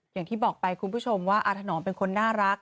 อย่างที่บอกไปคุณผู้ชมว่าอาถนอมเป็นคนน่ารัก